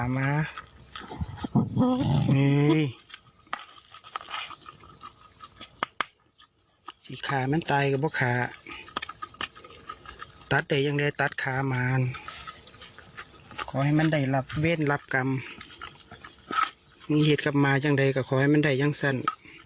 มีเหตุการณ์มาอย่างไรก็ขอให้มันได้อย่างสรรค์